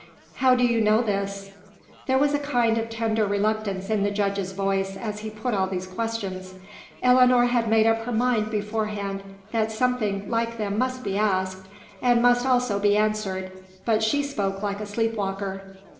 "How do you know this?" There was a kind of tender reluctance in the judge's voice, as he put all these questions. Ellinor had made up her mind beforehand that something like them must be asked, and must also be answered; but she spoke like a sleep walker.